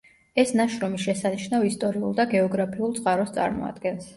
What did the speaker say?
ეს ნაშრომი შესანიშნავ ისტორიულ და გეოგრაფიულ წყაროს წარმოადგენს.